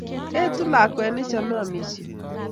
Etu lakwet ne chamei amisyo.